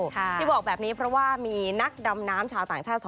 ที่บอกแบบนี้เพราะว่ามีนักดำน้ำชาวต่างชาติ๒